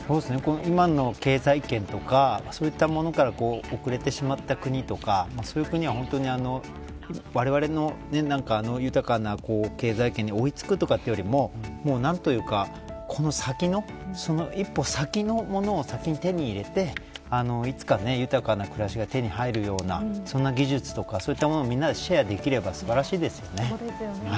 今の経済圏とかそういったものから遅れてしまった国とかそういう国は本当にわれわれの豊かな経済圏に追い付くとかというよりもこの先の一歩その一歩、先のものを先に手に入れていつか豊かな暮らしが手に入るようなそんな技術とか、そういったものをみんなでシェアできれば素晴らしいですよね。